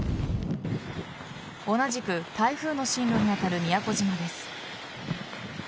同じく台風の進路に当たる宮古島です。